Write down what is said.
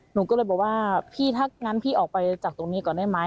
หนูก็เลยบอกว่าพี่ถ้างั้นพี่ออกไปจากตรงนี้ก่อนได้ไหม